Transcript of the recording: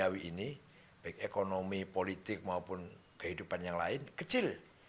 yang keurusan duniawi ini baik ekonomi politik maupun kehidupan yang lain kecil